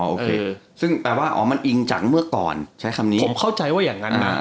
โอเคซึ่งแปลว่าอ๋อมันอิงจากเมื่อก่อนใช้คำนี้ผมเข้าใจว่าอย่างนั้นนะ